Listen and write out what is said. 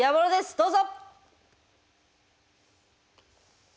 どうぞ！